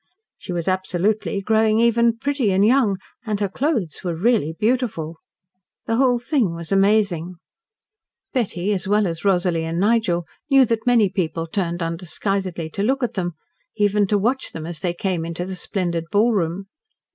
She was absolutely growing even pretty and young, and her clothes were really beautiful. The whole thing was amazing. Betty, as well as Rosalie and Nigel knew that many people turned undisguisedly to look at them even to watch them as they came into the splendid ballroom.